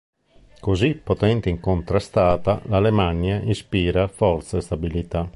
Così potente e incontrastata, l'Alemannia ispira forza e stabilità.